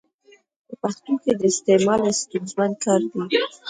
په پښتو کي د ي استعمال ستونزمن کار دی.